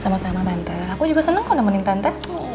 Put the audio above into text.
sama sama tante aku juga seneng kok nemenin tante